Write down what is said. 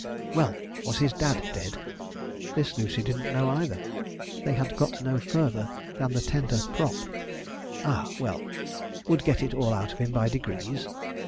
'Well, was his dad dead?' This Lucy didn't know either. They had got no further than the tender prop. 'Ah! well; would get it all out of him by degrees.'